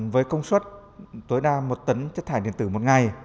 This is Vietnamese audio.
với công suất tối đa một tấn